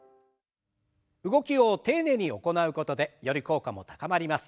動きを丁寧に行うことでより効果も高まります。